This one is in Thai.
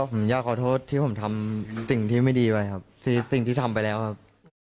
ผมอยากขอโทษที่ผมทำสิ่งที่ไม่ดีไปครับสิ่งที่ทำไปแล้วครับ